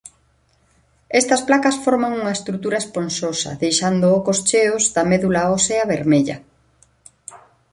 Estas placas forman unha estrutura esponxosa deixando ocos cheos da medula ósea vermella.